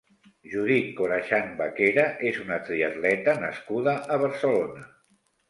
Judith Corachán Vaquera és una triatleta nascuda a Barcelona.